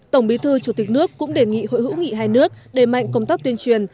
tổng bí thư chủ tịch nước cũng đề nghị hội hữu nghị hai nước đẩy mạnh công tác tuyên truyền